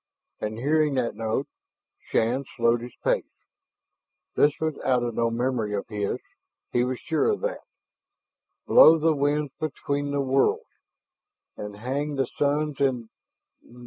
And hearing that note, Shann slowed his pace. This was out of no memory of his; he was sure of that. "... blow the winds between the worlds, And hang the suns in